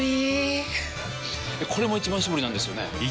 これも「一番搾り」なんですよね